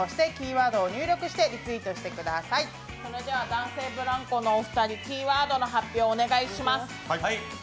男性ブランコのお二人、キーワードをお願いします。